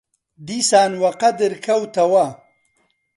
دیسان وەقەدر کەوتەوە